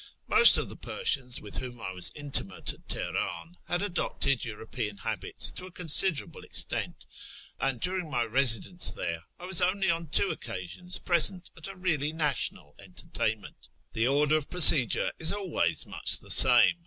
Most of the Persians with whom I was intimate at Teheran had adopted European habits to a considerable extent ; and during my residence there I was only on two occasions present at a really national entertainment. The order of procedure is always much the same.